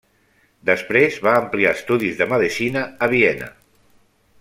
Després va ampliar estudis de medicina a Viena.